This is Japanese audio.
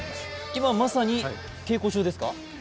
今まさに稽古中ですか？